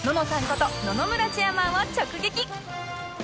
こと野々村チェアマンを直撃！